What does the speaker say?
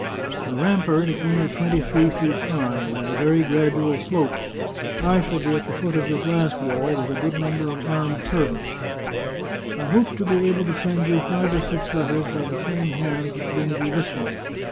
" The rampart is only twenty three feet high, with a very gradual slope. I shall be at the foot of this last wall, with a good number of armed servants. " I hope to be able to send you five or six letters by the same hand which brings you this one.